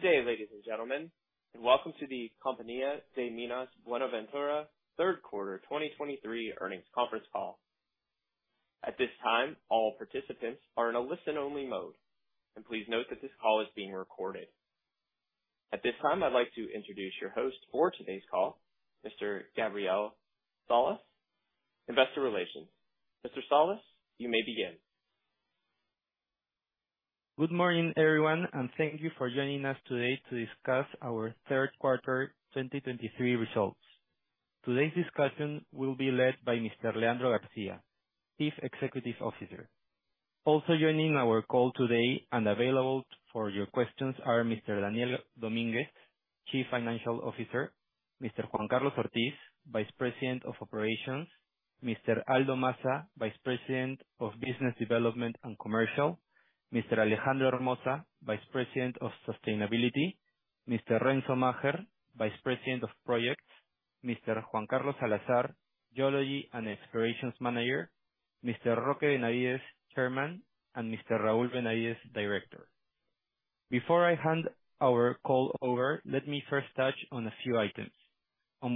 Good day, ladies and gentlemen, and welcome to the Compañía de Minas Buenaventura third quarter 2023 earnings conference call. At this time, all participants are in a listen-only mode, and please note that this call is being recorded. At this time, I'd like to introduce your host for today's call, Mr. Gabriel Salas, Investor Relations. Mr. Salas, you may begin. Good morning, everyone, and thank you for joining us today to discuss our third quarter 2023 results. Today's discussion will be led by Mr. Leandro García, Chief Executive Officer. Also joining our call today and available for your questions are Mr. Daniel Domínguez, Chief Financial Officer, Mr. Juan Carlos Ortiz, Vice President of Operations, Mr. Aldo Massa, Vice President of Business Development and Commercial, Mr. Alejandro Hermoza, Vice President of Sustainability, Mr. Renzo Macher, Vice President of Projects, Mr. Juan Carlos Salazar, Geology and Explorations Manager, Mr. Roque Benavides, Chairman, and Mr. Raúl Benavides, Director. Before I hand our call over, let me first touch on a few items. On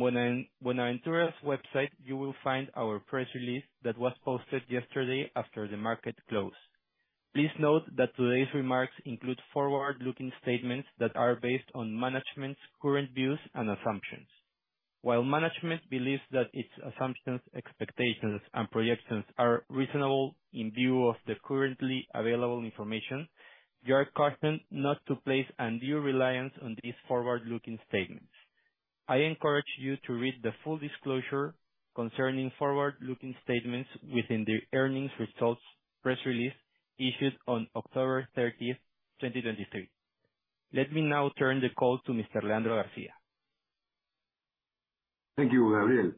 Buenaventura's website, you will find our press release that was posted yesterday after the market closed. Please note that today's remarks include forward-looking statements that are based on management's current views and assumptions. While management believes that its assumptions, expectations, and projections are reasonable in view of the currently available information, you are cautioned not to place undue reliance on these forward-looking statements. I encourage you to read the full disclosure concerning forward-looking statements within the earnings results press release issued on October 30, 2023. Let me now turn the call to Mr. Leandro García. Thank you, Gabriel,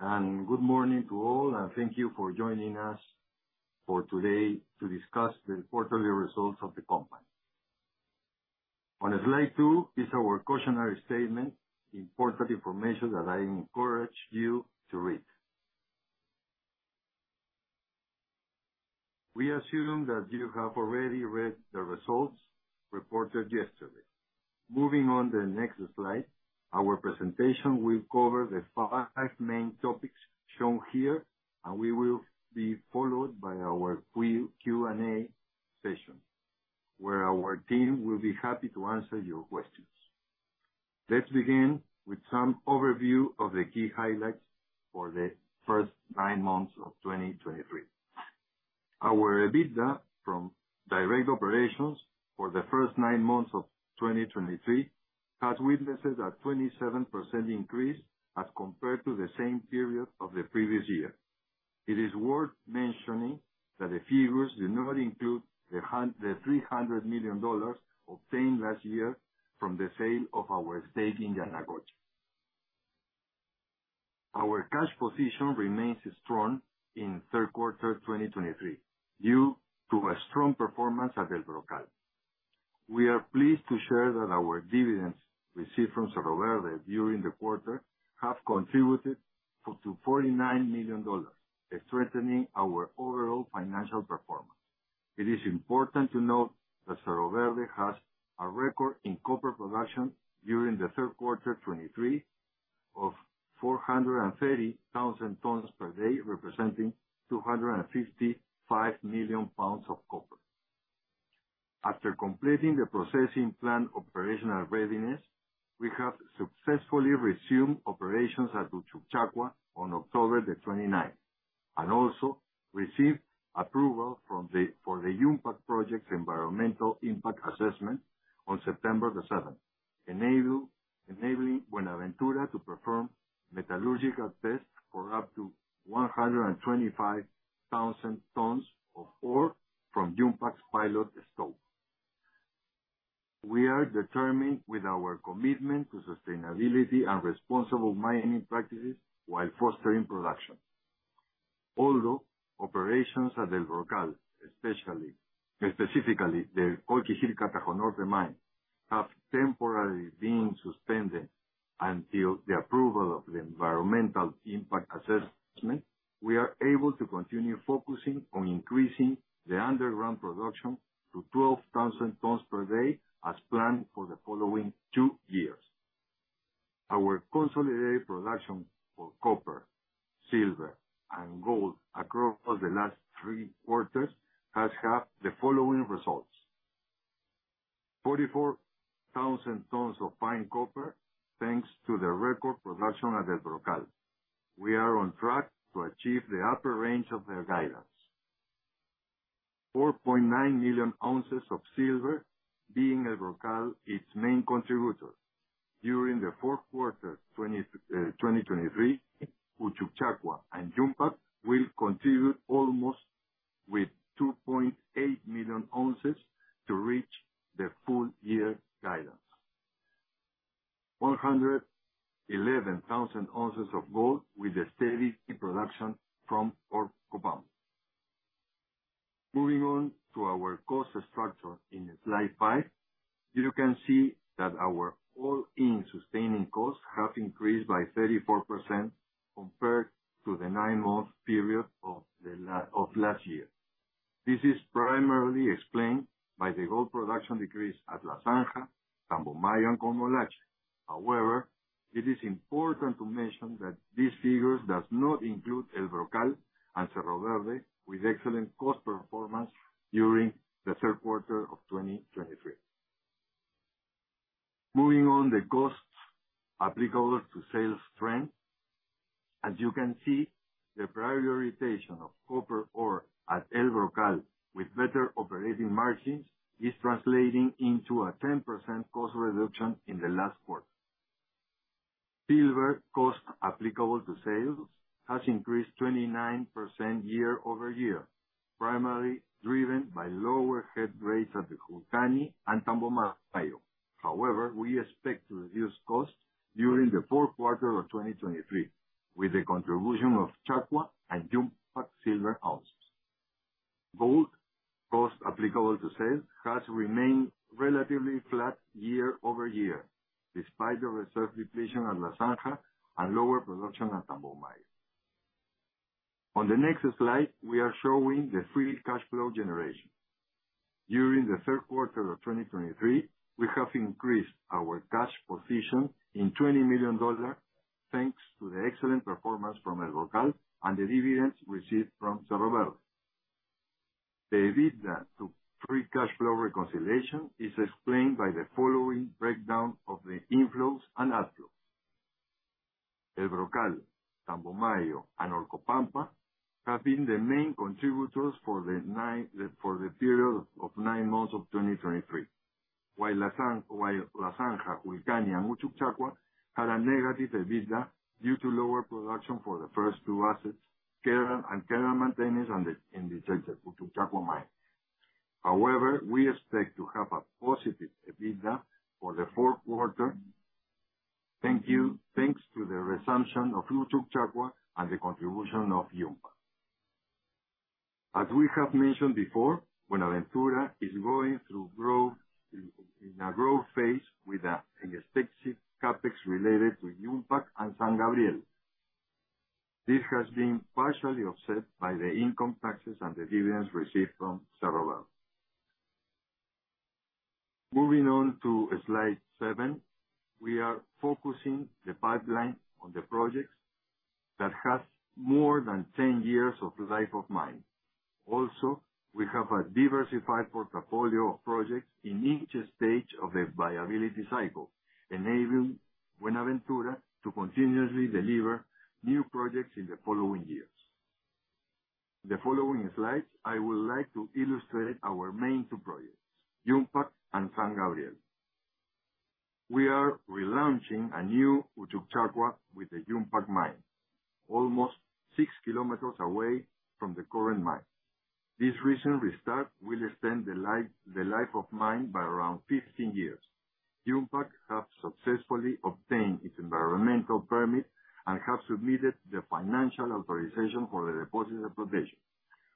and good morning to all, and thank you for joining us for today to discuss the quarterly results of the company. On slide 2 is our cautionary statement, important information that I encourage you to read. We assume that you have already read the results reported yesterday. Moving on to the next slide, our presentation will cover the 5 main topics shown here, and we will be followed by our Q&A session, where our team will be happy to answer your questions. Let's begin with some overview of the key highlights for the first 9 months of 2023. Our EBITDA from direct operations for the first 9 months of 2023 has witnessed a 27% increase as compared to the same period of the previous year. It is worth mentioning that the figures do not include the hundred million dollars obtained last year from the sale of our stake in Yanacocha. Our cash position remains strong in third quarter 2023, due to a strong performance at El Brocal. We are pleased to share that our dividends received from Cerro Verde during the quarter have contributed to $49 million, strengthening our overall financial performance. It is important to note that Cerro Verde has a record in copper production during the third quarter 2023 of 430,000 tons/day, representing 255 million lbs of copper. After completing the processing plant operational readiness, we have successfully resumed operations at Uchucchacua on October 29, and also received approval from the for the Yumpag project's Environmental Impact Assessment on September 7, enabling Buenaventura to perform metallurgical tests for up to 125,000 tons of ore from Yumpag's pilot stope. We are determined with our commitment to sustainability and responsible mining practices while fostering production. Although operations at El Brocal, especially, specifically the Colquijirca-Tajo Norte mine, have temporarily been suspended until the approval of the Environmental Impact Assessment, we are able to continue focusing on increasing the underground production to 12,000 tons/day as planned for the following two years. Our consolidated production for copper, silver, and gold across the last three quarters has had the following results: 44,000 tons of fine copper, thanks to the record production at El Brocal. We are on track to achieve the upper range of their guidance. 4.9 million oz of silver, being El Brocal its main contributor. During the fourth quarter 2023, Uchucchacua and Yumpag will contribute almost with 2.8 million oz to reach the full year guidance. 111,000 oz of gold with a steady production from El Brocal. Moving on to our cost structure in slide five, you can see that our all-in sustaining costs have increased by 34% compared to the nine-month period of the of last year.... This is primarily explained by the gold production decrease at La Zanja, Tambomayo, and Coimolache. However, it is important to mention that these figures does not include El Brocal have been the main contributors for the 9, for the period of 9 months of 2023. While La Zanja, and Uchucchacua had a negative EBITDA due to lower production for the first two assets, care and maintenance in the Uchucchacua mine. However, we expect to have a positive EBITDA for the fourth quarter. Thanks to the resumption of Uchucchacua and the contribution of Yumpag. As we have mentioned before, Buenaventura is going through growth, in a growth phase with an expected CapEx related to Yumpag and San Gabriel. This has been partially offset by the income taxes and the dividends received from Cerro Verde. Moving on to slide 7, we are focusing the pipeline on the projects that has more than 10 years of life of mine. Also, we have a diversified portfolio of projects in each stage of the viability cycle, enabling Buenaventura to continuously deliver new projects in the following years. The following slides, I would like to illustrate our main two projects, Yumpag and San Gabriel. We are relaunching a new Uchucchacua with the Yumpag mine, almost 6 kilometers away from the current mine. This recent restart will extend the life, the life of mine by around 15 years. Yumpag have successfully obtained its environmental permit and have submitted the financial authorization for the deposit provision.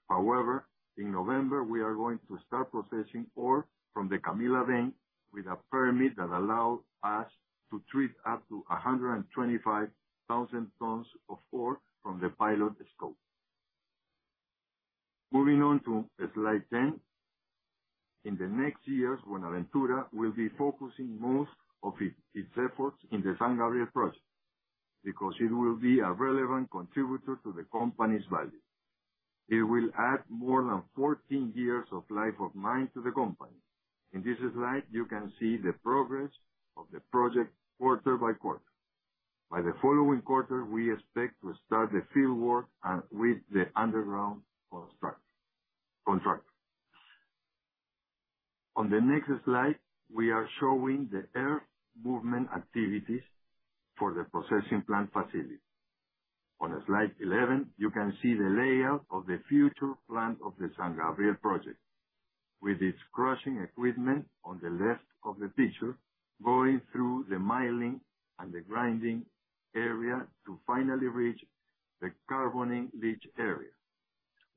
However, in November, we are going to start processing ore from the Camila vein with a permit that allow us to treat up to 125,000 tons of ore from the pilot stope. Moving on to slide 10. In the next years, Buenaventura will be focusing most of it, its efforts in the San Gabriel project, because it will be a relevant contributor to the company's value. It will add more than 14 years of life of mine to the company. In this slide, you can see the progress of the project quarter-by-quarter. By the following quarter, we expect to start the field work and with the underground construction contract. On the next slide, we are showing the earth movement activities for the processing plant facility. On slide 11, you can see the layout of the future plant of the San Gabriel project, with its crushing equipment on the left of the picture, going through the milling and the grinding area to finally reach the carbon leach area.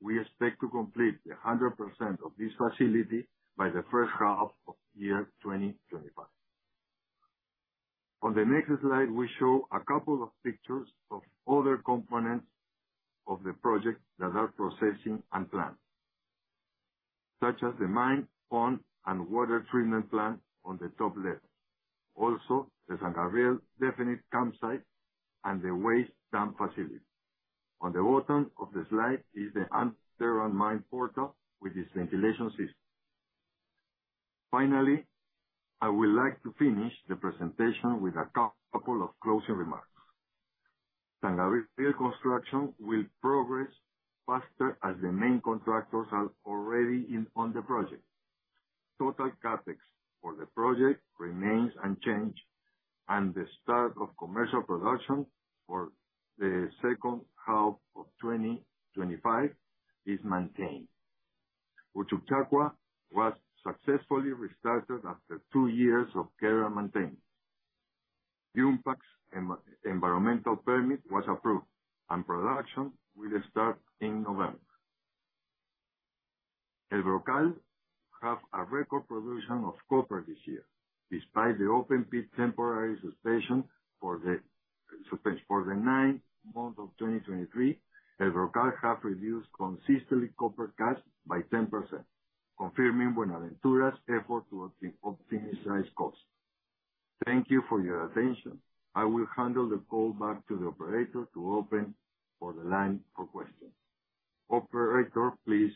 We expect to complete 100% of this facility by the first half of 2025. On the next slide, we show a couple of pictures of other components of the project that are progressing as planned, such as the mine, pond, and water treatment plant on the top left. Also, the San Gabriel definitive campsite and the waste dump facility. On the bottom of the slide is the underground mine portal with its ventilation system. Finally, I would like to finish the presentation with a couple of closing remarks. San Gabriel construction will progress faster, as the main contractors are already in on the project. Total CapEx for the project remains unchanged, and the start of commercial production for the second half of 2025 is maintained. Uchucchacua was successfully restarted after two years of care and maintenance. Yumpag's environmental permit was approved, and production will start in November. El Brocal have a record production of copper this year, despite the open pit temporary suspension. For the nine months of 2023, El Brocal have reduced consistently copper cash cost by 10%, confirming Buenaventura's effort to achieve optimized costs. Thank you for your attention. I will hand over the call back to the operator to open for the line for questions. Operator, please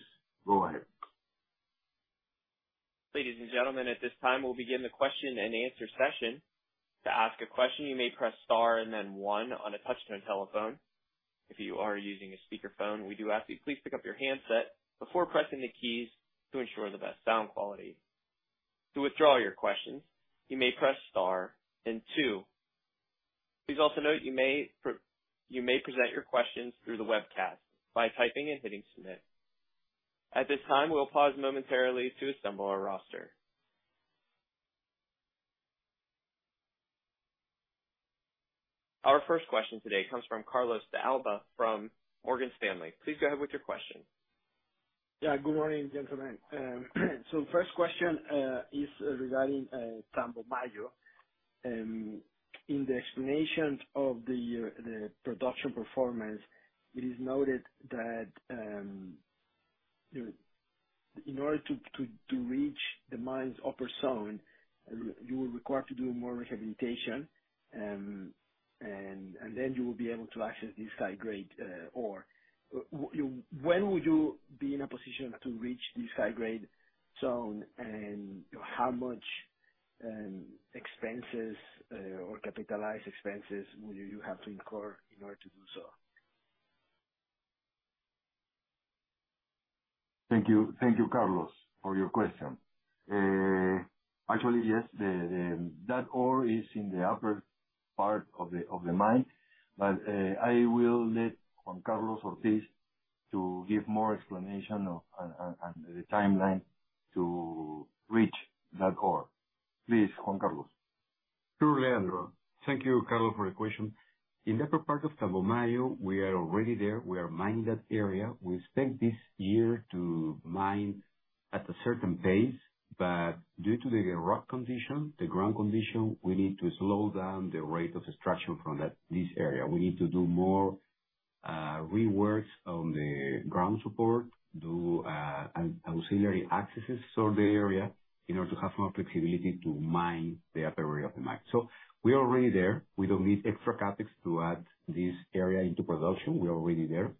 go ahead. Ladies and gentlemen, at this time, we'll begin the question and answer session. To ask a question, you may press star and then one on a touch-tone telephone. If you are using a speakerphone, we do ask you please pick up your handset before pressing the keys to ensure the best sound quality. To withdraw your questions, you may press star and two. Please also note, you may present your questions through the webcast by typing and hitting Submit. At this time, we'll pause momentarily to assemble our roster. Our first question today comes from Carlos de Alba from Morgan Stanley. Please go ahead with your question. Yeah, good morning, gentlemen. So first question is regarding Tambomayo. In the explanations of the production performance, it is noted that, you know, in order to reach the mine's upper zone, you will require to do more rehabilitation. And then you will be able to access this high-grade ore. When will you be in a position to reach this high-grade zone, and how much expenses or capitalized expenses will you have to incur in order to do so? Thank you. Thank you, Carlos, for your question. Actually, yes, that ore is in the upper part of the mine, but I will let Juan Carlos Ortiz give more explanation of and the timeline to reach that ore. Please, Juan Carlos. Sure, Leandro. Thank you, Carlos, for the question. In the upper part of Tambomayo, we are already there. We are mining that area. We expect this year to mine at a certain pace, but due to the rock condition, the ground condition, we need to slow down the rate of extraction from that, this area. We need to do more reworks on the ground support, do ancillary accesses on the area in order to have more flexibility to mine the upper area of the mine. So we are already there. We don't need extra CapEx to add this area into production. We are already there.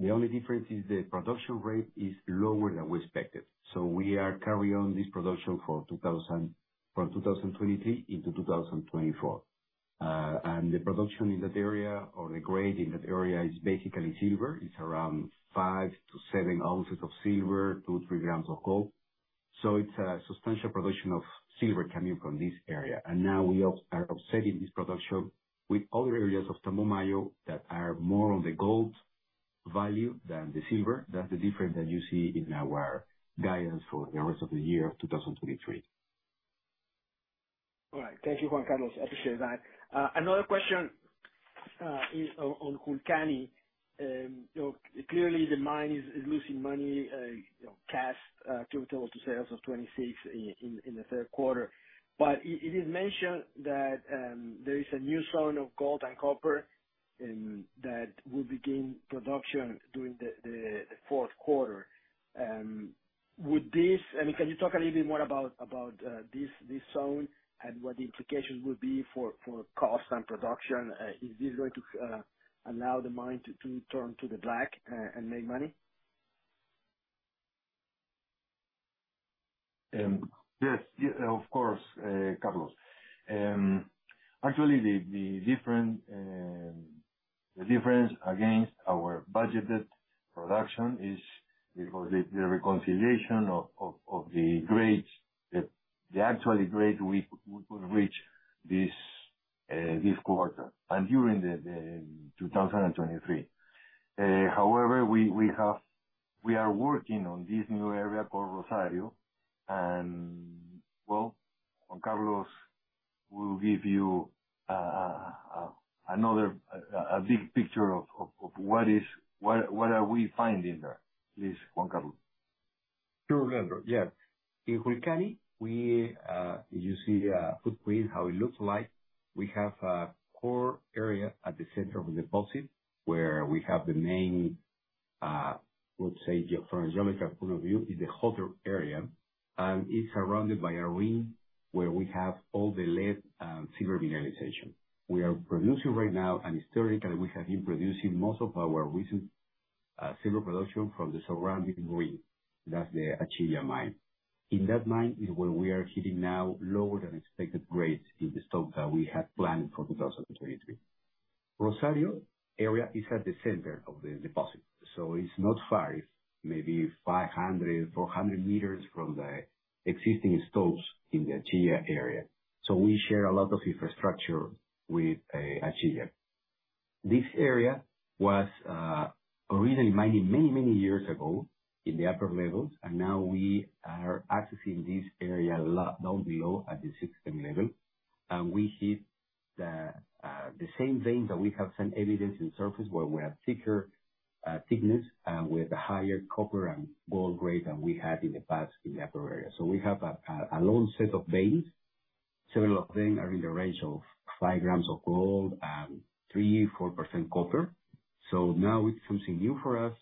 The only difference is the production rate is lower than we expected, so we are carrying on this production from 2023 into 2024. And the production in that area or the grade in that area is basically silver. It's around 5-7 oz of silver, 2 g-3 g of gold. So it's a substantial production of silver coming from this area. And now we are offsetting this production with other areas of Tambomayo that are more on the gold value than the silver. That's the difference that you see in our guidance for the rest of the year 2023. All right. Thank you, Juan Carlos. I appreciate that. Another question is on Julcani. You know, clearly the mine is losing money, you know, cash capital total to sales of 26% in the third quarter. But it is mentioned that there is a new zone of gold and copper that will begin production during the fourth quarter. Would this, I mean, can you talk a little bit more about this zone and what the implications would be for cost and production? Is this going to allow the mine to turn to the black and make money? Yes, of course, Carlos. Actually, the difference against our budgeted production is because the reconciliation of the grades, the actually grade we could reach this quarter and during 2023. However, we are working on this new area called Rosario, and well, Juan Carlos will give you another big picture of what is - what are we finding there. Please, Juan Carlos. Sure, Leandro. Yes. In Julcani, we, you see, footprint, how it looks like. We have a core area at the center of the deposit, where we have the main, let's say, from a geological point of view, is the hotter area. It's surrounded by a ring, where we have all the lead and silver mineralization. We are producing right now, and historically, we have been producing most of our recent, silver production from the surrounding ring. That's the Acchilla mine. In that mine is where we are hitting now lower than expected grades in the stope that we had planned for 2023. Rosario area is at the center of the deposit, so it's not far, maybe 500, 400 m from the existing stopes in the Acchilla area. So we share a lot of infrastructure with, Acchilla. This area was originally mined many, many years ago in the upper levels, and now we are accessing this area a lot down below, at the sixth level. We hit the same veins that we have seen evidence in surface, where we have thicker thickness, and with a higher copper and gold grade than we had in the past in that area. So we have a long set of veins. Several of them are in the range of 5 g of gold and 3%-4% copper. So now it's something new for us.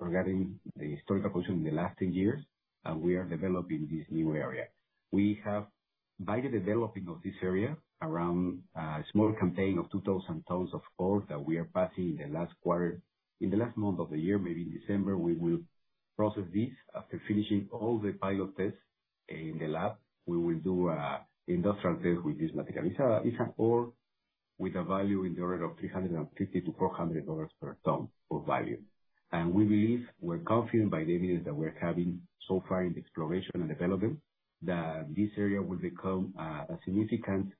Regarding the historical position in the last 2 years, and we are developing this new area. We have, by the developing of this area, around a small campaign of 2,000 tons of ore that we are passing in the last quarter. In the last month of the year, maybe in December, we will process this after finishing all the pilot tests in the lab. We will do industrial test with this ore, with a value in the order of $350-$400 per ton of value. We believe, we're confident by the areas that we're having so far in the exploration and development, that this area will become a significant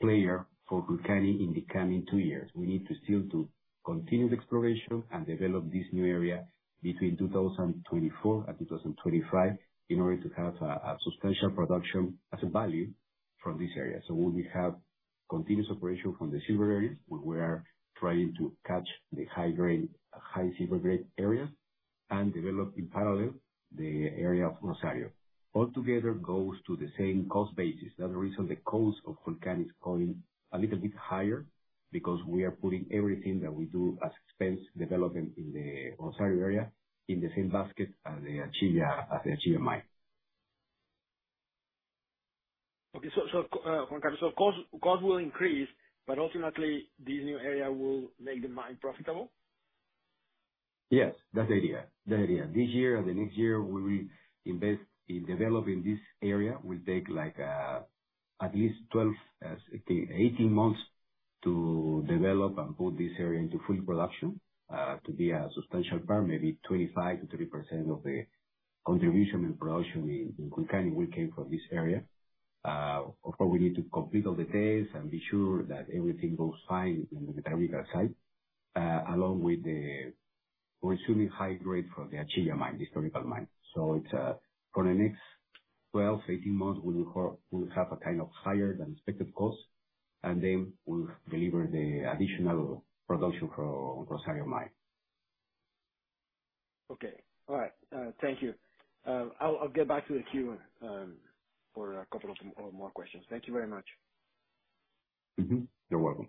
player for in the coming two years. We need to still to continue the exploration and develop this new area between 2024 and 2025, in order to have a substantial production as a value from this area. So when we have continuous operation from the silver areas, we were trying to catch the high grade, high silver grade area, and develop in parallel the area of Rosario. All together, goes to the same cost basis. That's the reason the cost of is going a little bit higher, because we are putting everything that we do as expense development in the Rosario area, in the same basket as the Acchilla, as the Acchilla mine. Okay. So, costs will increase, but ultimately this new area will make the mine profitable? Yes, that's the idea. The idea. This year and the next year, we will invest in developing this area. Will take like at least 12 months-18 months to develop and put this area into full production, to be a substantial part, maybe 25%-30% of the contribution and production in will came from this area. Of course, we need to complete all the tests and be sure that everything goes fine in the technical side, along with the consuming high grade for the Acchilla mine, the historical mine. So it's for the next 12-18 months, we will have a kind of higher than expected cost, and then we'll deliver the additional production for Rosario mine. Okay. All right, thank you. I'll get back to the queue for a couple of more questions. Thank you very much. Mm-hmm. You're welcome.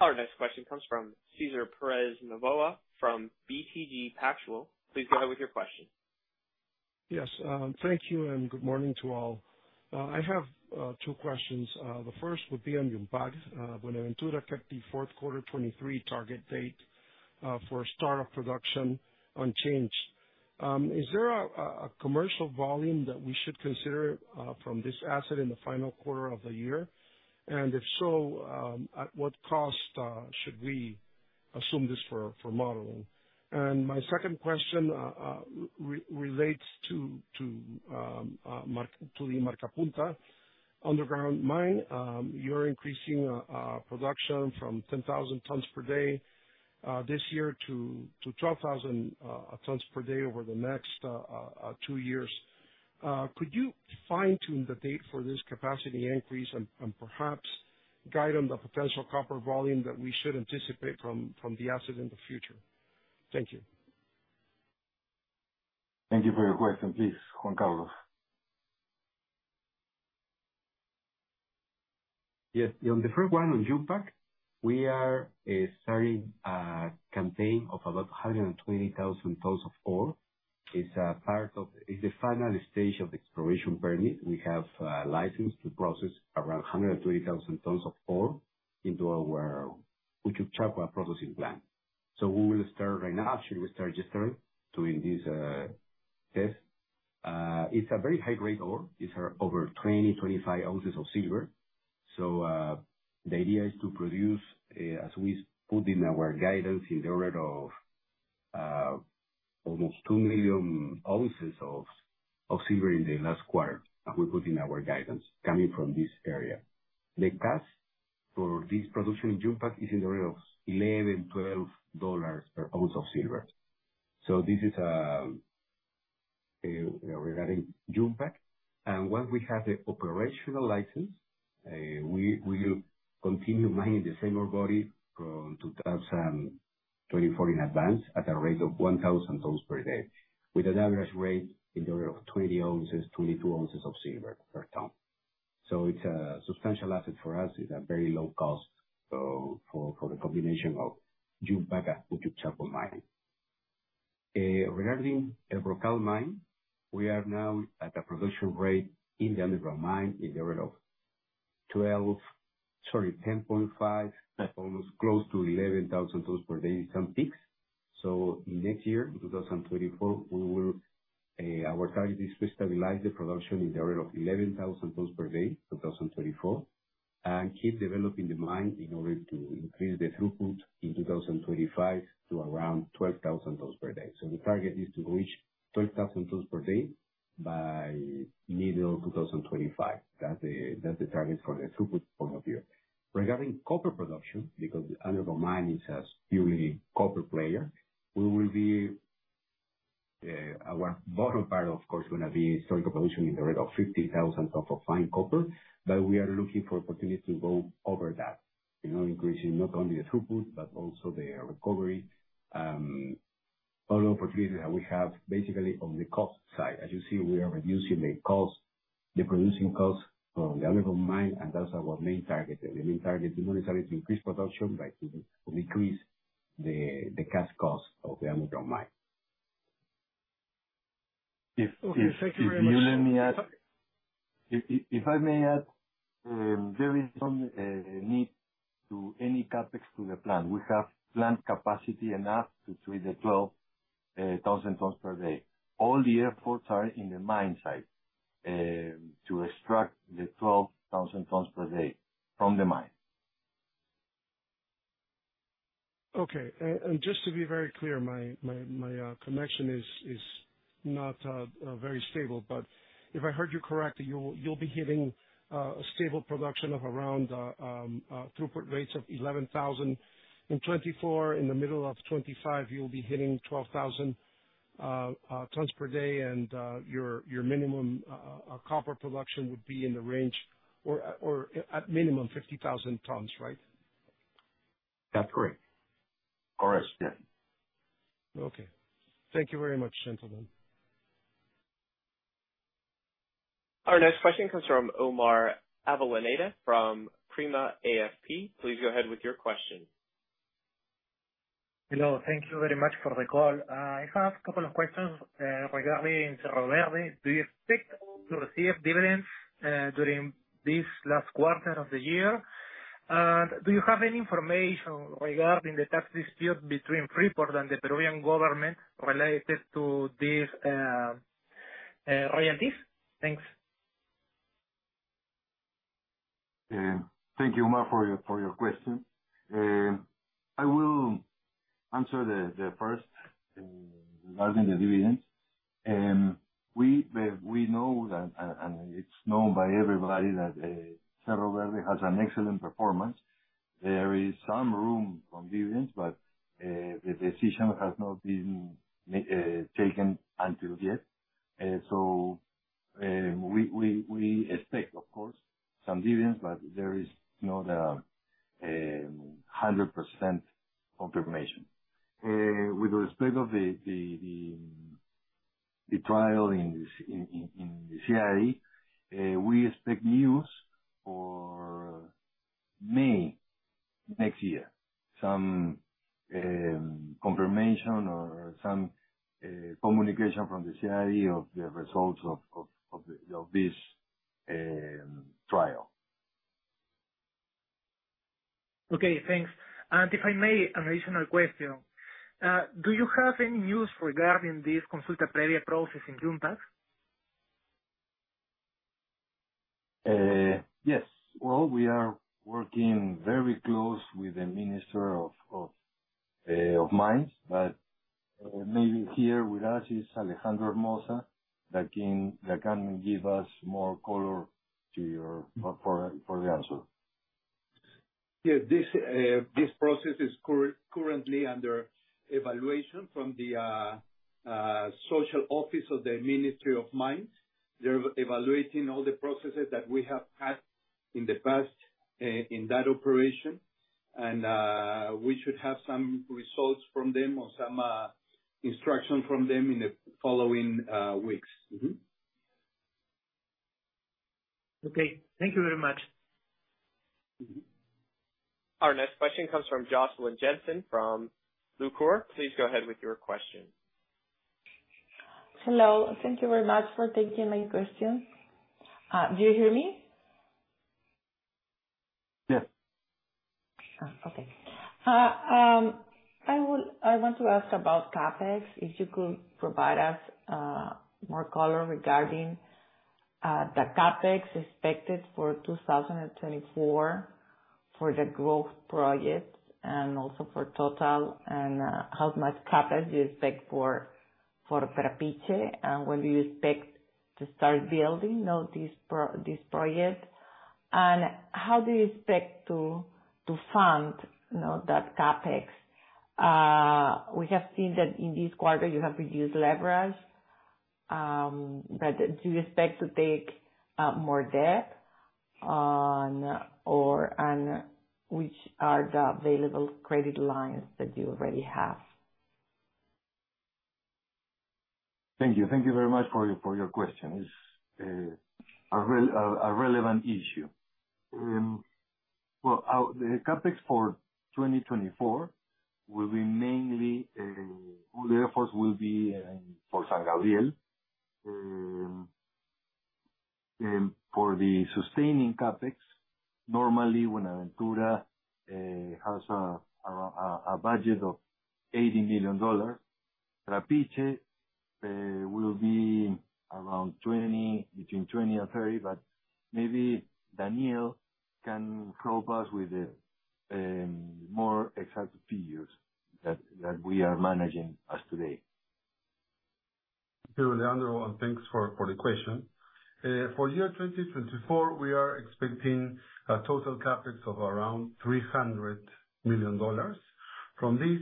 Our next question comes from Cesar Perez Novoa from BTG Pactual. Please go ahead with your question. Yes, thank you, and good morning to all. I have two questions. The first would be on Yumpag. Buenaventura kept the fourth quarter 2023 target date for start of production unchanged. Is there a commercial volume that we should consider from this asset in the final quarter of the year? And if so, at what cost should we assume this for modeling? And my second question relates to the Marcapunta underground mine. You're increasing production from 10,000 tons per day this year to 12,000 tons per day over the next two years. Could you fine-tune the date for this capacity increase, and perhaps guide on the potential copper volume that we should anticipate from the asset in the future? Thank you. Thank you for your question. Please, Juan Carlos. Yes, on the first one, on Yumpag, we are starting a campaign of about 120,000 tons of ore. It's a part of. It's the final stage of exploration permit. We have a license to process around 120,000 tons of ore into our Uchucchacua processing plant. So we will start right now, actually we start yesterday, doing this test. It's a very high grade ore. It's over 20-25 oz of silver. So, the idea is to produce, as we put in our guidance, in the order of almost 2 million oz of silver in the last quarter, and we put in our guidance coming from this area. The cost for this production in Yumpag is in the order of $11-$12 per oz of silver. So this is regarding Yumpag. Once we have the operational license, we will continue mining the same ore body from 2024 in advance, at a rate of 1,000 tons per day, with an average rate in the order of 20 ounces, 22 oz of silver per ton. So it's a substantial asset for us. It's a very low cost, so for the combination of Yumpag and Uchucchacua mine. Regarding El Brocal mine, we are now at a production rate in the underground mine, in the order of 12, sorry, 10.5, almost close to 11,000 tons per day, some peaks. So next year, in 2024, we will, our target is to stabilize the production in the order of 11,000 tons per day, 2024, and keep developing the mine in order to increase the throughput in 2025 to around 12,000 tons per day. So the target is to reach 12,000 tons per day by middle of 2025. That's the, that's the target for the throughput point of view. Regarding copper production, because the underground mine is a purely copper player, we will be our bottom part, of course, is going to be solid production in the rate of 50,000 tons of fine copper. But we are looking for opportunity to go over that, you know, increasing not only the throughput but also the recovery. Other opportunities that we have basically on the cost side, as you see, we are reducing the costs, the producing costs from the Underground mine, and that's our main target. The main target is not only to increase production, but to decrease the cash costs of the Underground mine. Okay, thank you very much. If I may add, there is no need to add any CapEx to the plant. We have plant capacity enough to treat the 12,000 tons per day. All the efforts are in the mine site to extract the 12,000 tons per day from the mine. Okay. And just to be very clear, my connection is not very stable, but if I heard you correctly, you'll be hitting a stable production of around throughput rates of 11,000 in 2024. In the middle of 2025, you'll be hitting 12,000 tons per day, and your minimum copper production would be in the range or at minimum 50,000 tons, right? That's correct. Or as then. Okay. Thank you very much, gentlemen. Our next question comes from Omar Avellaneda, from Prima AFP. Please go ahead with your question. Hello. Thank you very much for the call. I have a couple of questions regarding Cerro Verde. Do you expect to receive dividends during this last quarter of the year? And do you have any information regarding the tax dispute between Freeport and the Peruvian government related to this royalties? Thanks. Thank you, Omar, for your question. I will answer the first regarding the dividends. We know that, and it's known by everybody that Cerro Verde has an excellent performance. There is some room for dividends, but the decision has not been taken until yet. So, we expect, of course, some dividends, but there is not a 100% confirmation. With respect of the trial in the ICSID, we expect news for May next year. Some confirmation or some communication from the ICSID of the results of this trial. Okay, thanks. If I may, an additional question. Do you have any news regarding this Consulta Previa process in Yumpag? Yes. Well, we are working very close with the Minister of Mines, but maybe here with us is Alejandro Hermoza that can give us more color for the answer. Yeah. This process is currently under evaluation from the social office of the Ministry of Mines. They're evaluating all the processes that we have had in the past in that operation, and we should have some results from them or some instruction from them in the following weeks. Mm-hmm. Okay. Thank you very much. Mm-hmm. Our next question comes from Josseline Jenssen, from Lucror. Please go ahead with your question. Hello. Thank you very much for taking my question. Do you hear me? Yes. Okay. I want to ask about CapEx, if you could provide us more color regarding the CapEx expected for 2024, for the growth projects and also for total. And how much CapEx do you expect for Trapiche? And when do you expect to start building, you know, this project? And how do you expect to fund, you know, that CapEx? We have seen that in this quarter, you have reduced leverage, but do you expect to take more debt on or on which are the available credit lines that you already have? Thank you. Thank you very much for your question. It's a relevant issue. Well, our CapEx for 2024 will be mainly all the efforts will be for San Gabriel. For the sustaining CapEx, normally when Buenaventura has a budget of $80 million, Trapiche will be around 20, between 20 and 30, but maybe Daniel can help us with the more exact figures that we are managing as today. Thank you, Leandro, and thanks for, for the question. For year 2024, we are expecting a total CapEx of around $300 million. From this,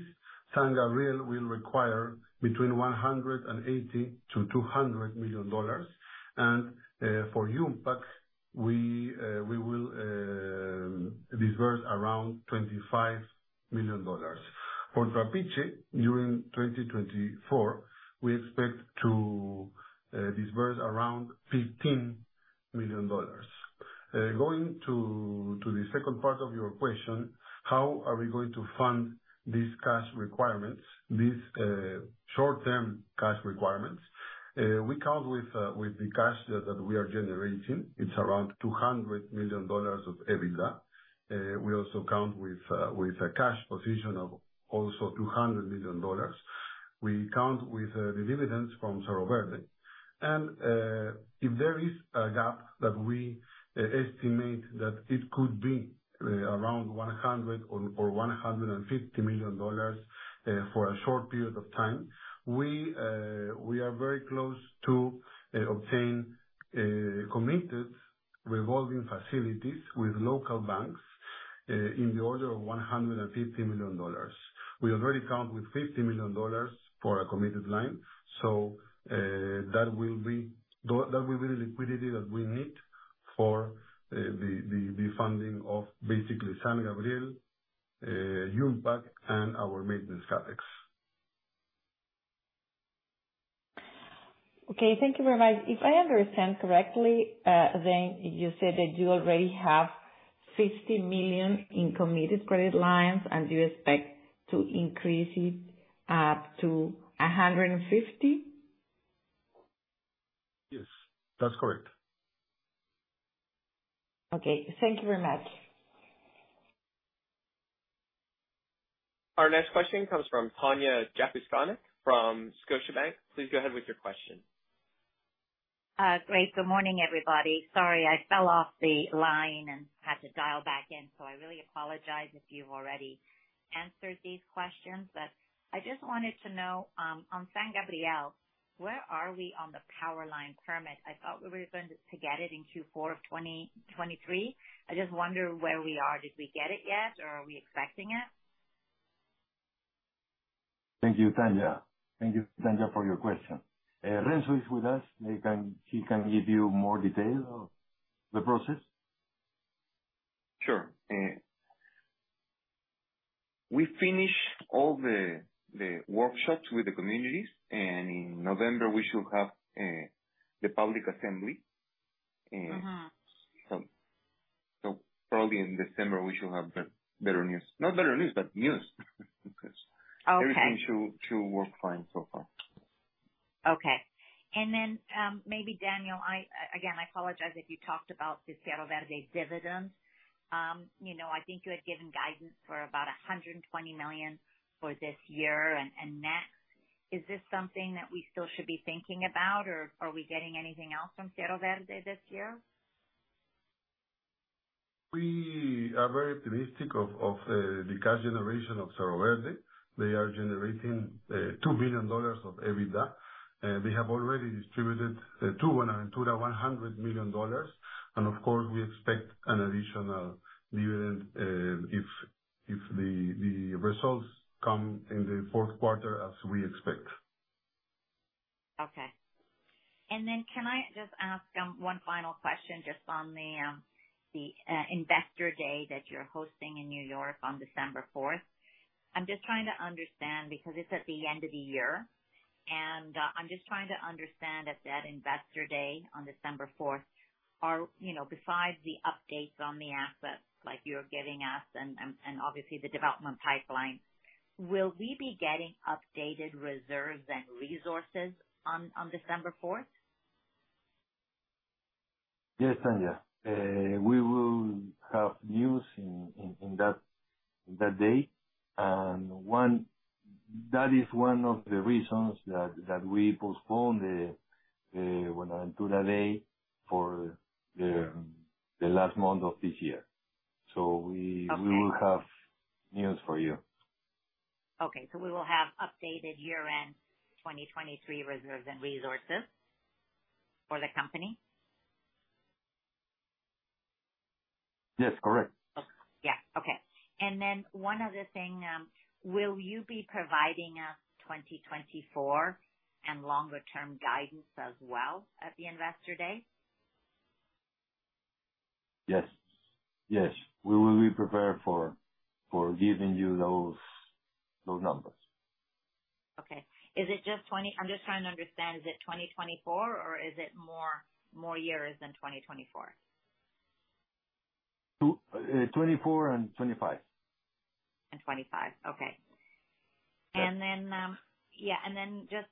San Gabriel will require between $180 million-$200 million. And, for Yumpag, we, we will, disperse around $25 million. For Trapiche, during 2024, we expect to, disperse around $15 million. Going to, to the second part of your question, how are we going to fund these cash requirements, these, short-term cash requirements? We count with, with the cash that, that we are generating. It's around $200 million of EBITDA. We also count with, with a cash position of also $200 million. We count with, the dividends from Cerro Verde. If there is a gap that we estimate that it could be around $100 million or $150 million for a short period of time, we are very close to obtain committed revolving facilities with local banks in the order of $150 million. We already count with $50 million for a committed line, so that will be the liquidity that we need for the funding of basically San Gabriel, Yumpag, and our maintenance CapEx. Okay. Thank you very much. If I understand correctly, then you said that you already have $50 million in committed credit lines, and you expect to increase it up to $150 million? Yes, that's correct. Okay. Thank you very much. Our next question comes from Tanya Jakusconek from Scotiabank. Please go ahead with your question. Great, good morning, everybody. Sorry, I fell off the line and had to dial back in, so I really apologize if you've already answered these questions. But I just wanted to know, on San Gabriel, where are we on the power line permit? I thought we were going to get it in Q4 of 2023. I just wonder where we are. Did we get it yet, or are we expecting it? Thank you, Tanya. Thank you, Tanya, for your question. Renzo is with us. He can, he can give you more detail of the process. Sure, we finished all the workshops with the communities, and in November, we should have the public assembly. Mm-hmm. Probably in December, we should have better news. Not better news, but news. Okay. Everything should work fine so far. Okay. Then, maybe, Daniel, I again apologize if you talked about the Cerro Verde dividends. You know, I think you had given guidance for about $120 million for this year and next. Is this something that we still should be thinking about, or are we getting anything else from Cerro Verde this year? We are very optimistic of the cash generation of Cerro Verde. They are generating $2 billion of EBITDA. We have already distributed $202 million-$100 million, and of course, we expect an additional dividend, if the results come in the fourth quarter, as we expect. Okay. And then can I just ask one final question just on the Investor Day that you're hosting in New York on December 4? I'm just trying to understand, because it's at the end of the year, and I'm just trying to understand at that Investor Day on December 4, are you know, besides the updates on the assets like you're giving us and obviously the development pipeline, will we be getting updated reserves and resources on December 4? Yes, Tanya. We will have news in that day. That is one of the reasons that we postponed the Analyst Day for the last month of this year. So we- Okay. We will have news for you. Okay, so we will have updated year-end 2023 reserves and resources for the company? Yes, correct. Okay. Yeah. Okay. And then one other thing, will you be providing us 2024 and longer-term guidance as well at the Investor Day? Yes. Yes, we will be prepared for giving you those numbers. Okay. Is it just, I'm just trying to understand, is it 2024 or is it more, more years than 2024? 2024 and 2025. 25. Okay. Yes.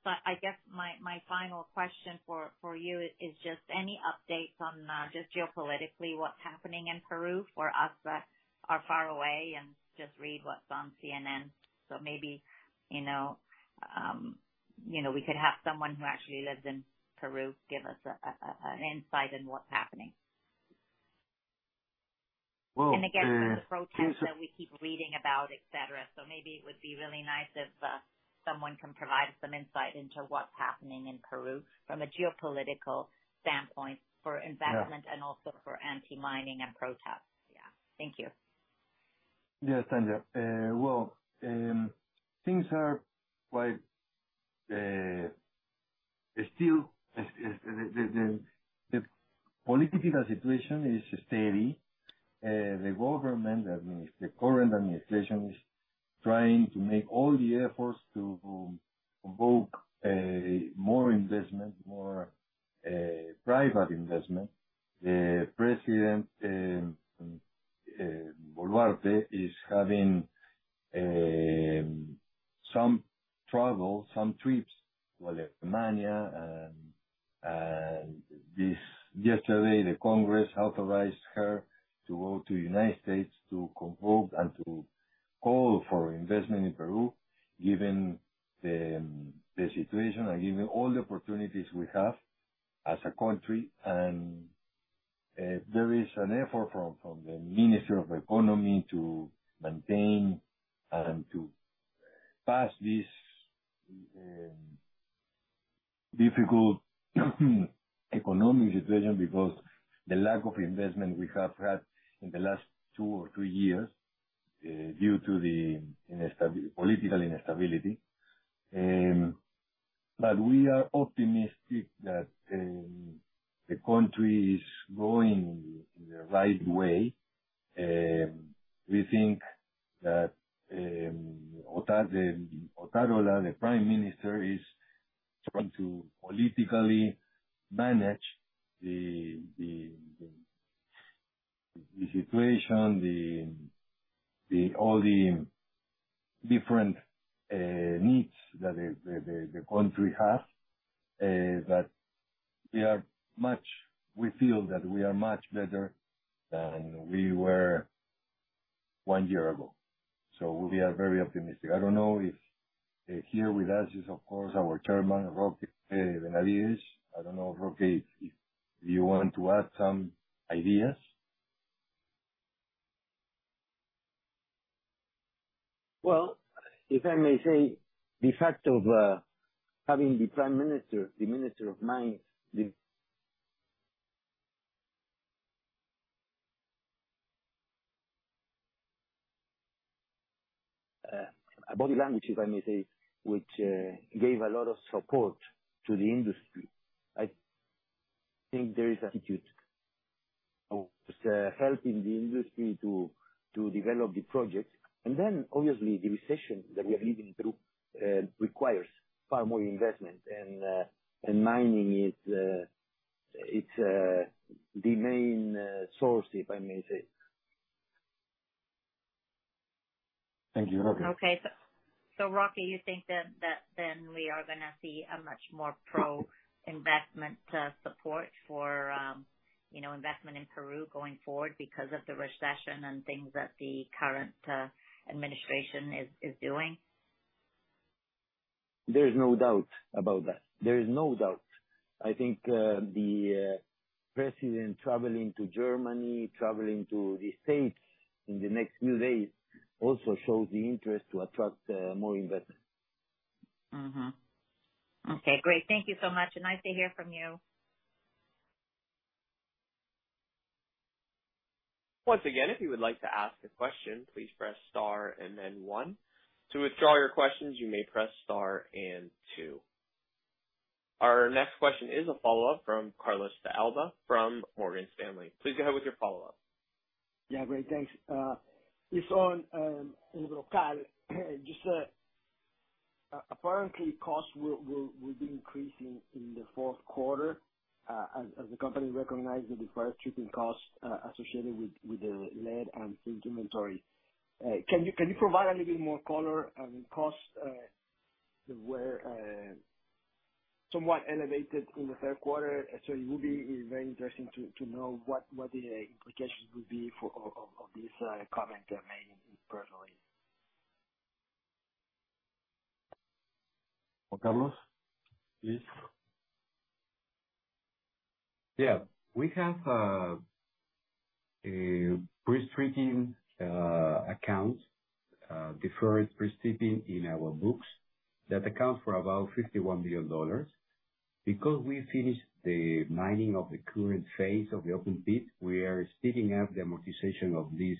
I guess my final question for you is just any updates on just geopolitically, what's happening in Peru for us that are far away and just read what's on CNN? So maybe, you know, we could have someone who actually lives in Peru give us an insight on what's happening. And again, the protests that we keep reading about, et cetera. So maybe it would be really nice if someone can provide some insight into what's happening in Peru from a geopolitical standpoint for investment- Yeah. And also for anti-mining and protests? Yeah. Thank you. Yes, Tanya. Well, things are quite still. The political situation is steady. The government, I mean, the current administration is trying to make all the efforts to invoke more investment, more private investment. The President Boluarte is having some travel, some trips, well, like Germany, and this yesterday, the Congress authorized her to go to United States to promote and to call for investment in Peru, given the situation and given all the opportunities we have as a country. There is an effort from the Ministry of Economy to maintain and to pass this difficult economic situation because the lack of investment we have had in the last two or three years due to the political instability. But we are optimistic that the country is going in the right way. We think that Otárola, the Prime Minister, is trying to politically manage the situation, all the different needs that the country has. That we are much. We feel that we are much better than we were one year ago, so we are very optimistic. I don't know if here with us is, of course, our Chairman, Roque Benavides. I don't know, Roque, if you want to add some ideas? Well, if I may say, the fact of having the Prime Minister, the Minister of Mines, body language, if I may say, which gave a lot of support to the industry. I think there is attitude of helping the industry to develop the project. And then, obviously, the recession that we are living through requires far more investment, and mining is, it's the main source, if I may say. Thank you, Roque. Okay. So, Roque, you think that then we are gonna see a much more pro-investment support for, you know, investment in Peru going forward because of the recession and things that the current administration is doing? There's no doubt about that. There is no doubt. I think the President traveling to Germany, traveling to the States in the next few days, also shows the interest to attract more investors. Mm-hmm. Okay, great. Thank you so much. Nice to hear from you. Once again, if you would like to ask a question, please press star and then one. To withdraw your questions, you may press star and two. Our next question is a follow-up from Carlos de Alba from Morgan Stanley. Please go ahead with your follow-up. Yeah, great, thanks. It's on El Brocal. Just apparently costs will be increasing in the fourth quarter as the company recognized the deferred stripping costs associated with the lead and zinc inventory. Can you provide a little bit more color? I mean, costs were somewhat elevated in the third quarter, so it would be very interesting to know what the implications would be for this comment made personally. Juan Carlos, please. Yeah. We have a pre-stripping account, deferred pre-stripping in our books that accounts for about $51 million. Because we finished the mining of the current phase of the open pit, we are speeding up the amortization of this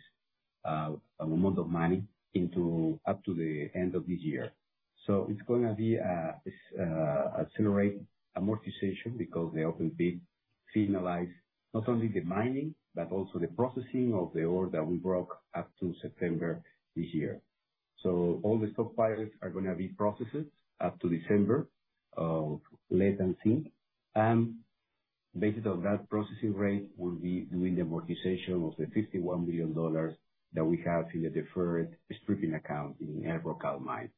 amount of money into up to the end of the year. So it's gonna be this accelerate amortization because the open pit finalize not only the mining, but also the processing of the ore that we broke up to September this year. So all the stockpiles are gonna be processed up to December, of lead and zinc. And based on that processing rate, we'll be doing the amortization of the $51 million that we have in the deferred stripping account in El Brocal mine.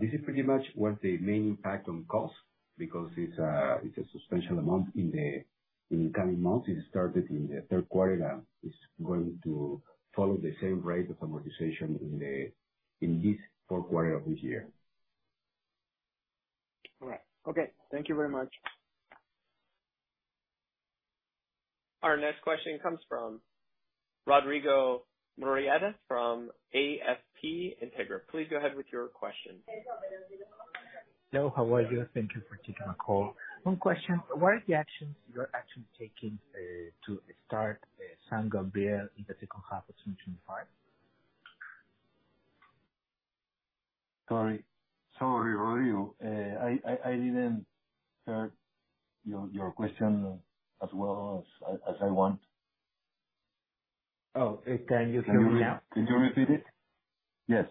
This is pretty much what the main impact on cost, because it's a substantial amount in the coming months. It started in the third quarter, and it's going to follow the same rate of amortization in this fourth quarter of this year. Okay, thank you very much. Our next question comes from Rodrigo Murrieta from AFP Integra. Please go ahead with your question. Hello, how are you? Thank you for taking my call. One question: What are the actions you are actually taking to start San Gabriel in the second half of 2025? Sorry. Sorry, Rodrigo, I didn't heard your question as well as I want. Oh, can you hear me now? Can you repeat it? Yes.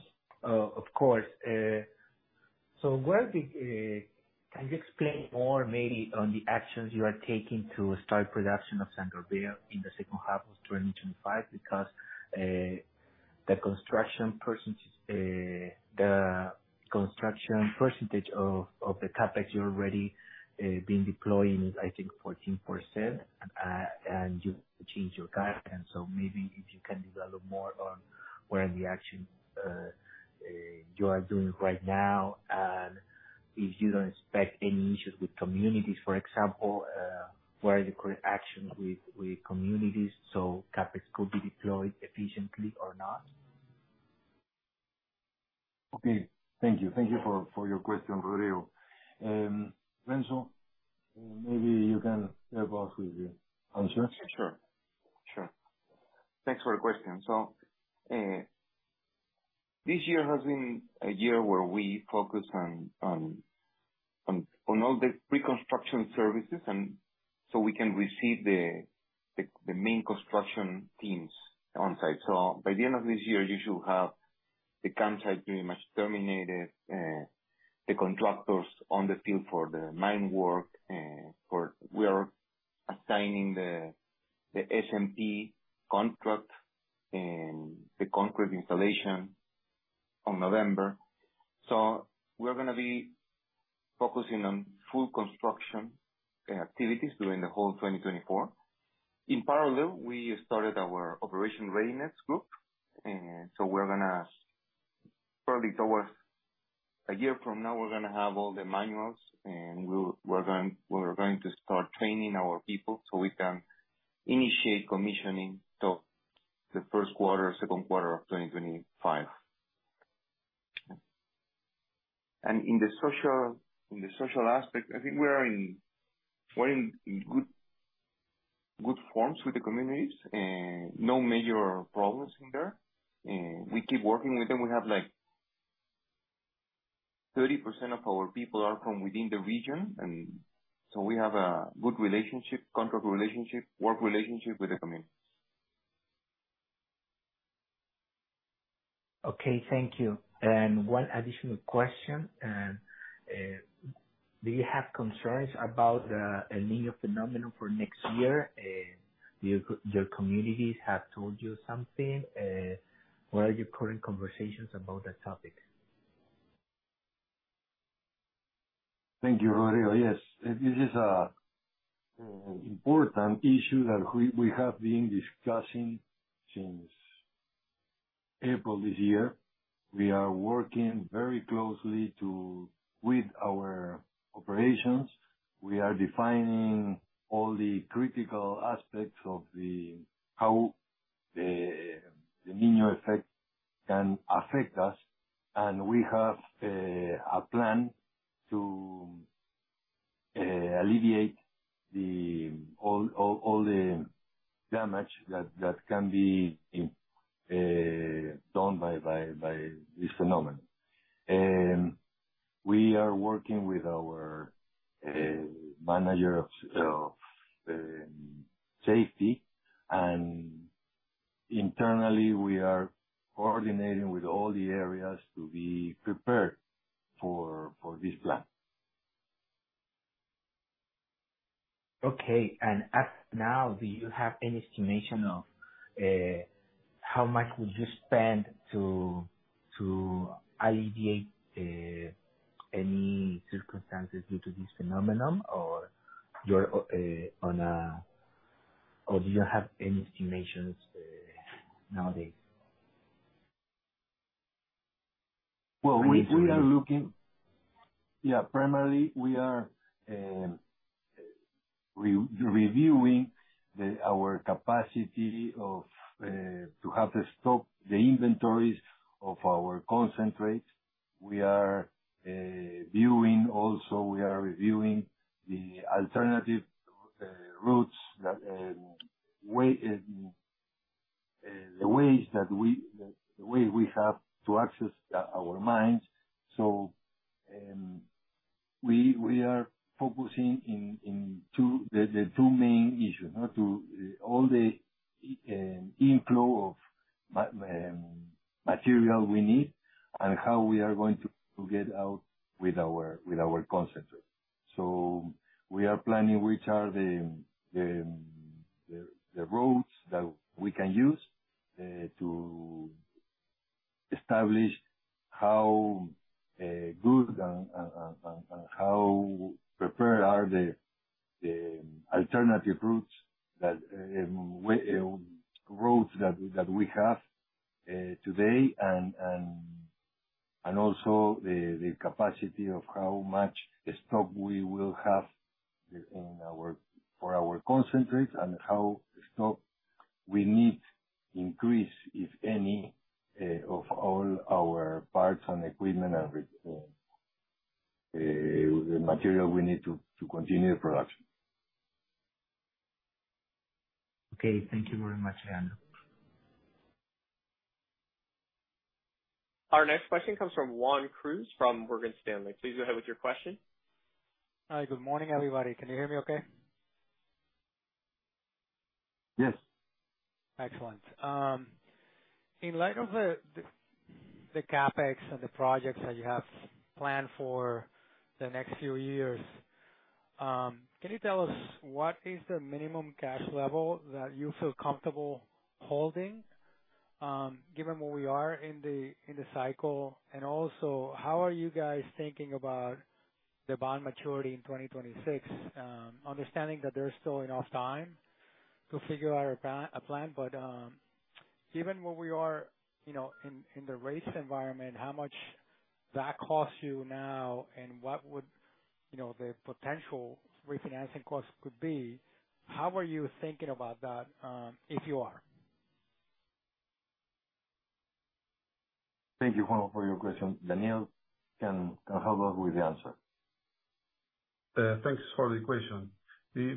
Of course. So what are the can you explain more, maybe, on the actions you are taking to start production of San Gabriel in the second half of 2025? Because the construction percentage of the CapEx you're already been deploying is, I think, 14%. And you've changed your guidance. So maybe if you can develop more on what are the actions you are doing right now, and if you don't expect any issues with communities, for example, what are the current actions with communities so CapEx could be deployed efficiently or not? Okay. Thank you. Thank you for your question, Rodrigo. Renzo, maybe you can help us with the answer. Sure. Sure. Thanks for the question. So, this year has been a year where we focus on all the pre-construction services, and so we can receive the main construction teams on site. So by the end of this year, you should have the campsite pretty much terminated, the contractors on the field for the mine work. We are assigning the SMP contract and the concrete installation on November. So we're gonna be focusing on full construction activities during the whole 2024. In parallel, we started our Operational Readiness Group, and so we're gonna, probably towards a year from now, we're gonna have all the manuals, and we're going to start training our people so we can initiate commissioning the first quarter, second quarter of 2025. In the social aspect, I think we're in good forms with the communities. No major problems there. We keep working with them. We have, like, 30% of our people from within the region, and so we have a good relationship, contract relationship, work relationship with the communities. Okay. Thank you. And one additional question: Do you have concerns about El Niño phenomenon for next year? Your communities have told you something. What are your current conversations about that topic? Thank you, Rodrigo. Yes, this is an important issue that we have been discussing since April this year. We are working very closely with our operations. We are defining all the critical aspects of how the El Niño effect can affect us, and we have a plan to alleviate all the damage that can be done by this phenomenon. We are working with our manager of safety, and internally, we are coordinating with all the areas to be prepared for this plan. Okay. And as now, do you have any estimation of, how much would you spend to alleviate, any circumstances due to this phenomenon? Or you're, on or do you have any estimations, nowadays? Well, we are looking. Yeah, primarily, we are reviewing our capacity to have the stock, the inventories of our concentrates. We are viewing also, we are reviewing the alternative routes that way, the ways that we, the way we have to access our mines. So, we are focusing in the two main issues, no? To all the inflow of material we need and how we are going to get out with our concentrates. So we are planning which are the routes that we can use to establish how good and how prepared are the alternative routes that we have today, and also the capacity of how much stock we will have in our for our concentrates, and how stock we need increase, if any, of all our parts and equipment and the material we need to continue production. Okay, thank you very much, Leandro. Our next question comes from Juan Cruz from Morgan Stanley. Please go ahead with your question. Hi, good morning, everybody. Can you hear me okay? Yes. Excellent. In light of the CapEx and the projects that you have planned for the next few years, can you tell us what is the minimum cash level that you feel comfortable holding, given where we are in the cycle? And also, how are you guys thinking about the bond maturity in 2026? Understanding that there's still enough time to figure out a plan, but, given where we are, you know, in the rate environment, how much that costs you now, and what would, you know, the potential refinancing costs could be, how are you thinking about that, if you are? Thank you, Juan, for your question. Daniel can help us with the answer. Thanks for the question.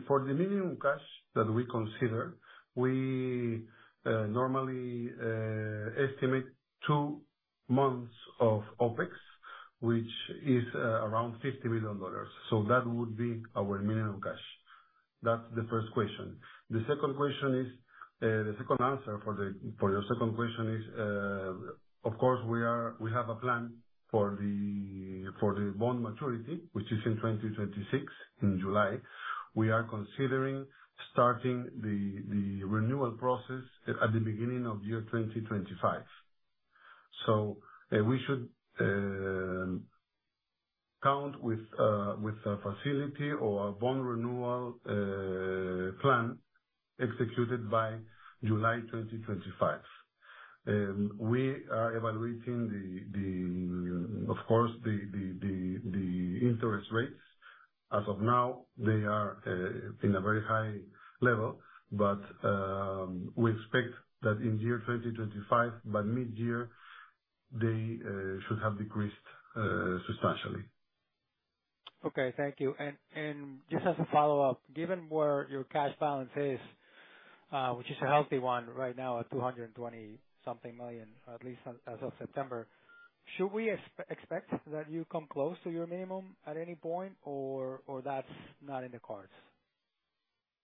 For the minimum cash that we consider, we normally estimate two months of OpEx, which is around $50 million. So that would be our minimum cash. That's the first question. The second question is, the second answer for the, for your second question is, of course, we are, we have a plan for the, for the bond maturity, which is in 2026, in July. We are considering starting the renewal process at the beginning of year 2025. So, we should count with a, with a facility or a bond renewal plan executed by July 2025. We are evaluating the, of course, the interest rates. As of now, they are in a very high level, but we expect that in year 2025, by mid-year, they should have decreased substantially. Okay, thank you. And just as a follow-up, given where your cash balance is, which is a healthy one right now at $220-something million, at least as of September, should we expect that you come close to your minimum at any point, or that's not in the cards?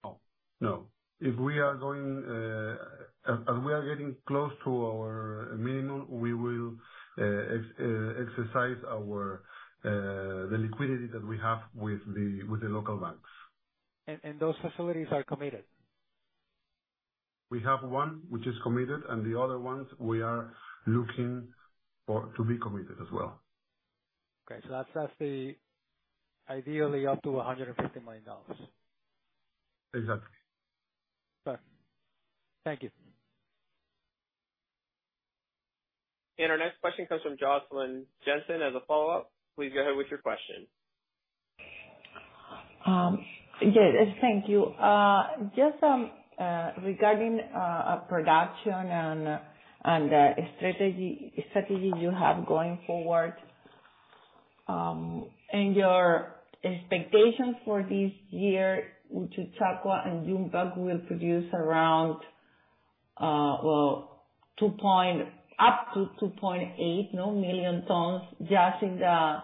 No. No. If we are going as we are getting close to our minimum, we will exercise our liquidity that we have with the local banks. And those facilities are committed? We have one which is committed, and the other ones we are looking for to be committed as well. Okay. So that's, that's the ideally up to $150 million. Exactly. Okay. Thank you. Our next question comes from Josseline Jenssen, as a follow-up. Please go ahead with your question. Yes, thank you. Just regarding production and the strategy you have going forward, and your expectations for this year, Uchucchacua and Yumpag will produce around 2- up to 2.8 million tons, just in the,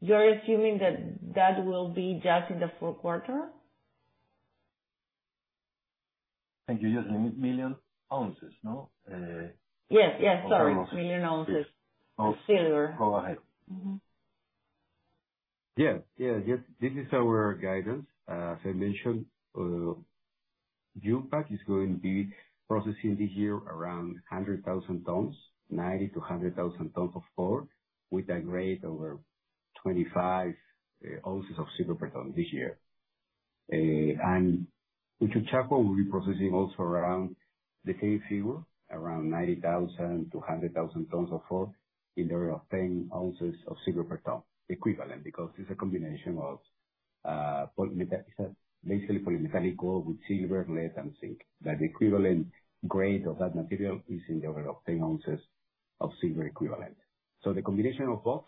you're assuming that that will be just in the fourth quarter? Thank you. Just million ounces, no? Yes, yes, sorry. Million ounces. Million ounces- Yes. -of silver. Go ahead. Yeah. Yeah, yes, this is our guidance. As I mentioned, Yumpag is going to be processing this year around 100,000 tons, 90,000-100,000 tons of ore, with a grade over 25 oz of silver per ton this year. And Uchucchacua will be processing also around the same figure, around 90,000-100,000 tons of ore, in the order of 10 oz of silver per ton equivalent, because it's a combination of polymetallic ore with silver, lead, and zinc. The equivalent grade of that material is in the order of 10 ouz of silver equivalent. So the combination of both,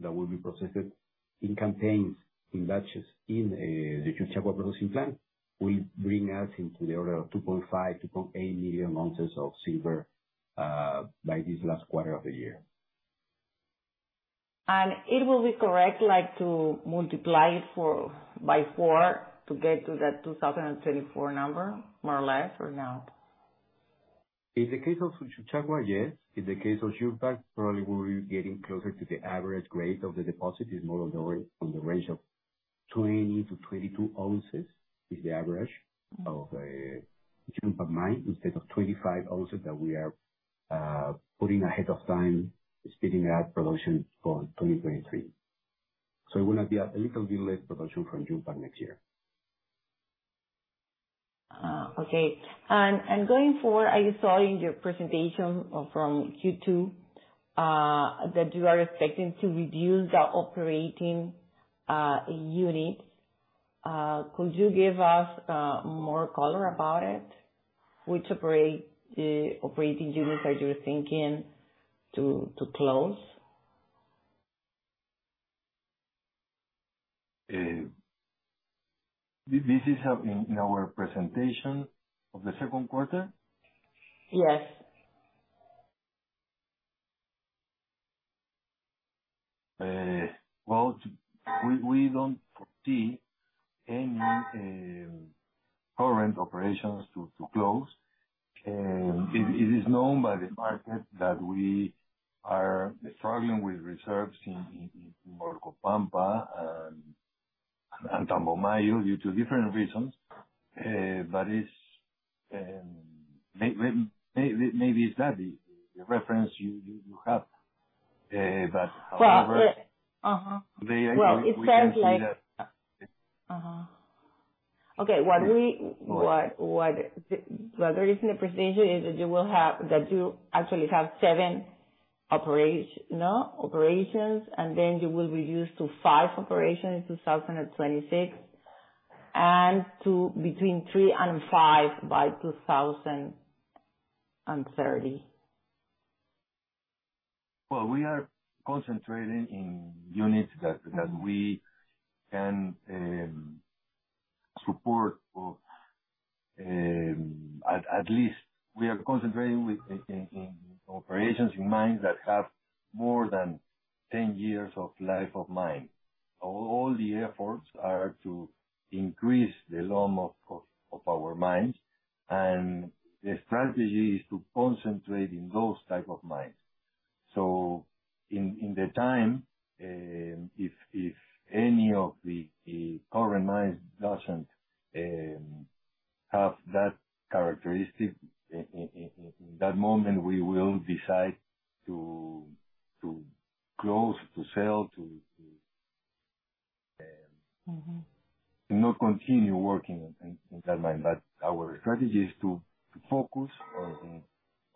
that will be processed in campaigns, in batches, in the Uchucchacua processing plant, will bring us into the order of 2.5 million-2.8 million ouz of silver by this last quarter of the year. It will be correct, like, to multiply it by four to get to that 2024 number, more or less, or no? In the case of Uchucchacua, yes. In the case of Yumpag, probably we'll be getting closer to the average grade of the deposit. It's more on the range of 20 oz-22 oz, is the average of a Yumpag mine, instead of 25 oz that we are expecting, putting ahead of time, speeding up production for 2023. So it will not be a little bit late production from Yumpag next year. Okay. And going forward, I saw in your presentation from Q2 that you are expecting to reduce the operating unit. Could you give us more color about it? Which operating units are you thinking to close? This is in our presentation of the second quarter? Yes. Well, we don't see any current operations to close. It is known by the market that we are struggling with reserves in Orcopampa and Tambomayo due to different reasons. But it's maybe it's that, the reference you have. But however- Well, mm-hmm. The idea- Well, it sounds like... Mm-hmm. Okay, what there is in the presentation is that you will have, that you actually have seven operation, no, operations, and then you will reduce to five operations in 2026, and to between three and five by 2030. Well, we are concentrating in units that we can support or, at least we are concentrating in operations in mines that have more than 10 years of life of mine. All the efforts are to increase the LOM of our mines, and the strategy is to concentrate in those type of mines. So in the time, if any of the current mines doesn't have that characteristic, in that moment, we will decide to close, to sell. Mm-hmm. To not continue working in that mine. But our strategy is to focus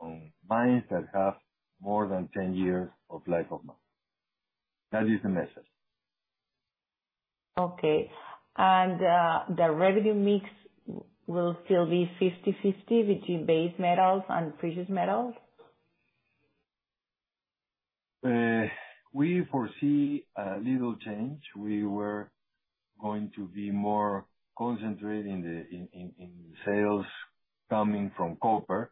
on mines that have more than 10 years of life of mine. That is the message. Okay. And, the revenue mix will still be 50/50 between base metals and precious metals? We foresee a little change. We were going to be more concentrated in sales coming from copper.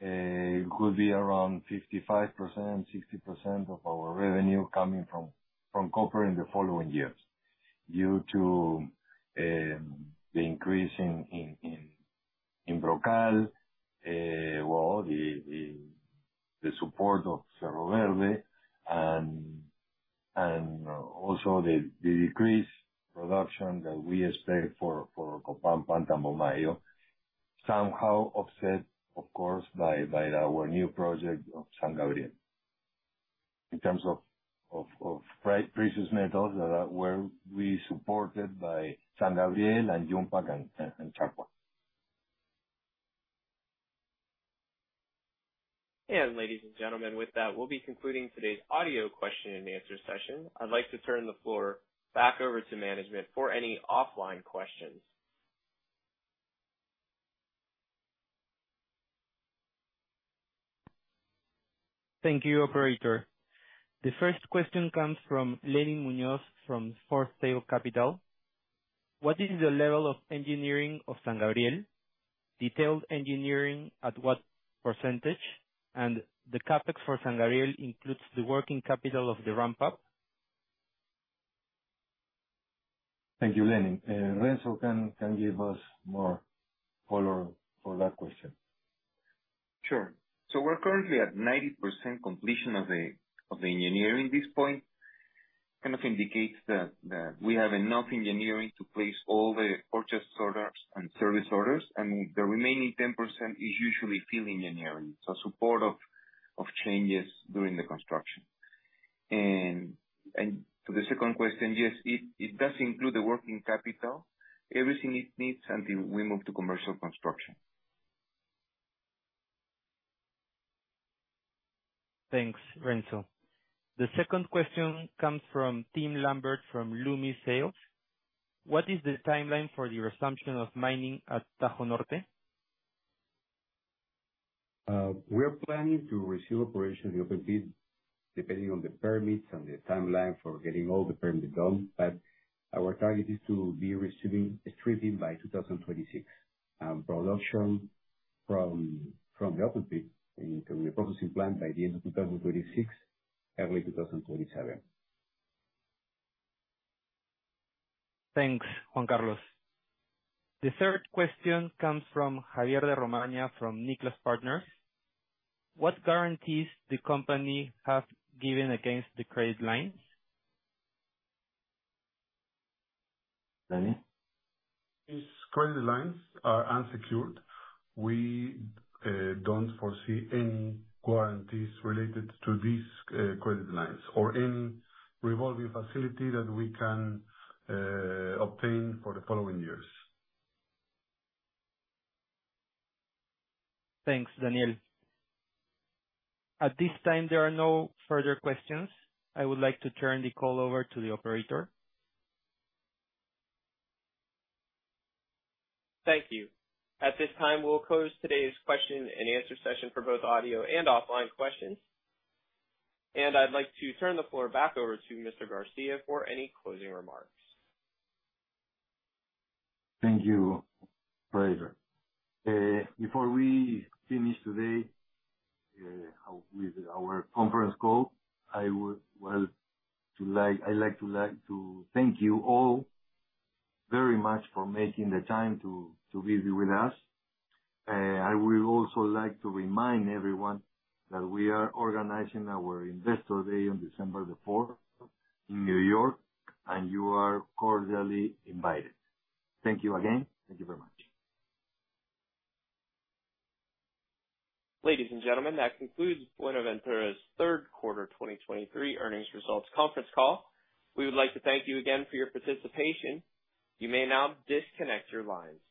It could be around 55%-60% of our revenue coming from copper in the following years, due to the increase in Brocal, the support of Cerro Verde and also the decreased production that we expect for Orcopampa and Tambomayo, somehow offset, of course, by our new project of San Gabriel. In terms of precious metals, we're supported by San Gabriel and Yumpag and Uchucchacua. Ladies and gentlemen, with that, we'll be concluding today's audio question and answer session. I'd like to turn the floor back over to management for any offline questions. Thank you, operator. The first question comes from Lenin Muñoz, from Forte Capital. What is the level of engineering of San Gabriel? Detailed engineering at what percentage? And the CapEx for San Gabriel includes the working capital of the ramp-up? Thank you, Lenin. Renzo can give us more color for that question. Sure. So we're currently at 90% completion of the engineering at this point. Kind of indicates that we have enough engineering to place all the purchase orders and service orders, and the remaining 10% is usually field engineering, so support of changes during the construction. And to the second question, yes, it does include the working capital, everything it needs until we move to commercial construction. Thanks, Renzo. The second question comes from Tim Lambert from Loomis Sayles. What is the timeline for the resumption of mining at Tajo Norte? We are planning to resume operation in the open pit, depending on the permits and the timeline for getting all the permits done, but our target is to be resuming stripping by 2026, and production from the open pit into the processing plant by the end of 2026, early 2027. Thanks, Juan Carlos. The third question comes from Javier de Romaní from Nicolás Partners. What guarantees the company have given against the credit lines? Daniel? These credit lines are unsecured. We don't foresee any guarantees related to these credit lines or any revolving facility that we can obtain for the following years. Thanks, Daniel. At this time, there are no further questions. I would like to turn the call over to the operator. Thank you. At this time, we'll close today's question and answer session for both audio and offline questions, and I'd like to turn the floor back over to Mr. García for any closing remarks. Thank you, operator. Before we finish today with our conference call, I'd like to thank you all very much for making the time to be here with us. I would also like to remind everyone that we are organizing our Investor Day on December the fourth in New York, and you are cordially invited. Thank you again. Thank you very much. Ladies and gentlemen, that concludes Buenaventura's third quarter 2023 earnings results conference call. We would like to thank you again for your participation. You may now disconnect your lines.